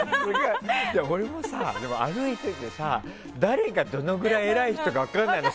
俺も、歩いててさ誰がどのぐらい偉い人か分からないの。